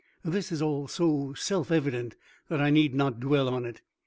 This is all so self evident that I need not dwell on it.